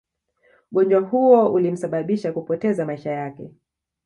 Ugonjwa huo ulimsababisha kupoteza maisha yake